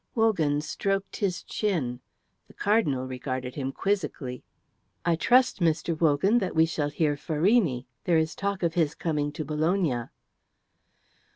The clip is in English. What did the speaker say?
Wogan stroked his chin. The Cardinal regarded him quizzically. "I trust, Mr. Wogan, that we shall hear Farini. There is talk of his coming to Bologna."